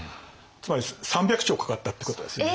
つまり３００兆かかったってことですよね。